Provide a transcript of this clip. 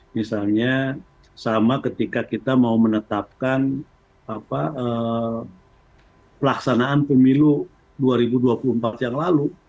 misalnya sama ketika kita mau menetapkan pelaksanaan pemilu dua ribu dua puluh empat yang lalu